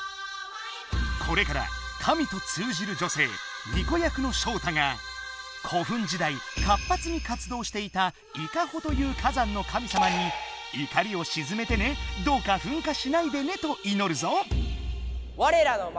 これから神と通じる女性巫女役のショウタが古墳時代活ぱつに活どうしていたイカホという火山の神様に「いかりをしずめてね。どうかふん火しないでね」といのるぞ。